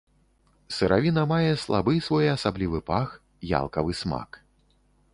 Сыравіна мае слабы своеасаблівы пах, ялкавы смак.